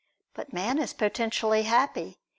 But man is potentially happy.